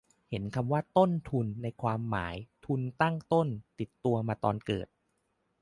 เห็นคำว่า "ต้นทุน" ในความหมาย "ทุนตั้งต้น" ติดตัวมาตอนเกิด